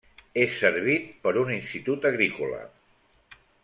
És servit per un institut agrícola.